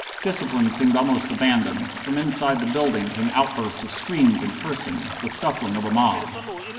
Discipline seemed almost abandoned. From inside the building came outbursts of screams and cursing, the scuffling of a mob.